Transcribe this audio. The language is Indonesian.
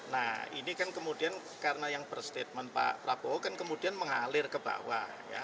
nah ini kan kemudian karena yang berstatement pak prabowo kan kemudian mengalir ke bawah